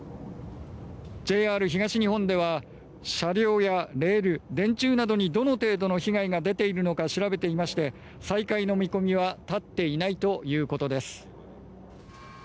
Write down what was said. ＪＲ東日本では車両やレール、電柱などにどの程度の被害が出ているのか調べていまして再開の見込みは立っていないということです。